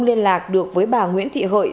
liên lạc được với bà nguyễn thị hợi